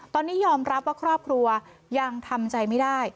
ตอนนี้ยอมรับว่าครอบครัวยังทำใจไม่ได้